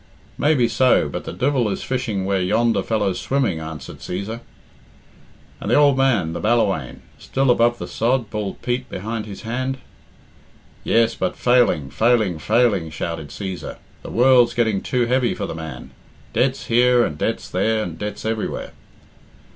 "Maybe so, but the devil is fishing where yonder fellow's swimming," answered Cæsar. "And the ould man the Ballawhaine still above the sod?" bawled Pete behind his hand. "Yes, but failing, failing, failing," shouted Cæsar. "The world's getting too heavy for the man. Debts here, and debts there, and debts everywhere."